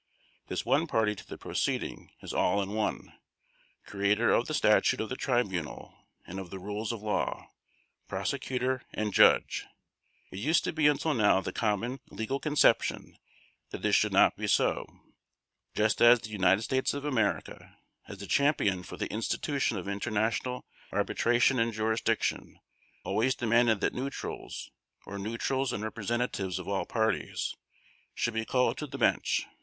This one party to the proceeding is all in one: creator of the statute of the Tribunal and of the rules of law, prosecutor and judge. It used to be until now the common legal conception that this should not be so; just as the United States of America, as the champion for the institution of international arbitration and jurisdiction, always demanded that neutrals, or neutrals and representatives of all parties, should be called to the Bench.